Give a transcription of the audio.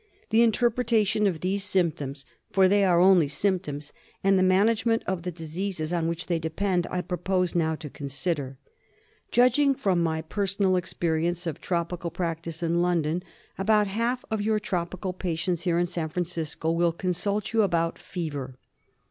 The interpretation of these symptoms, for they are only symptoms, and the management of the diseases on which they depend, I propose now to consider. Judging from my personal experience of tropical practice in London, about half of your tropical patients here in San Francisco will consult you about fever.